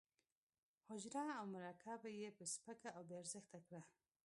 حجره او مرکه یې سپکه او بې ارزښته کړه.